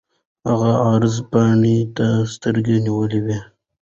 هغه عرض پاڼې ته سترګې نیولې دي.